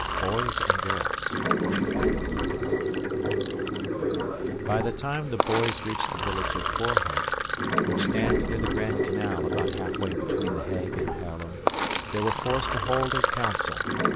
Boys and Girls By the time the boys reached the village of Voorhout, which stands near the grand canal, about halfway between The Hague and Haarlem, they were forced to hold a council.